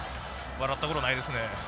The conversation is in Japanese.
笑ったことないですね。